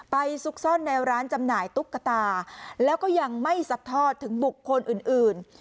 ซุกซ่อนในร้านจำหน่ายตุ๊กตาแล้วก็ยังไม่ซัดทอดถึงบุคคลอื่น